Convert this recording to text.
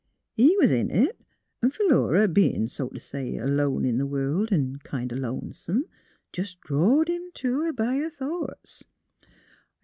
He was in it; 'n' Philura, bein', so t' say, alone in the world an' kind of Ion 'some, jus' drawed him t' her b' her thoughts.